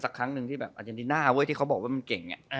อาเจนดิน่าที่เขาบอกแบบเก่งไง